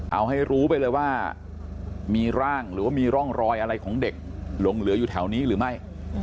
เอาให้รู้ไปเลยว่ามีร่างหรือว่ามีร่องรอยอะไรของเด็กหลงเหลืออยู่แถวนี้หรือไม่